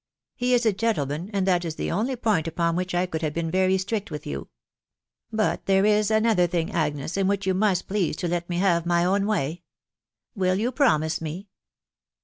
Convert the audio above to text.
••• fie is a gentleman, and that is the only point upon which I could have bee* wy strict with you, ••• But there is another thing, Agnes, in which you must please to let me hare my own way. ..„ Will you promise me?"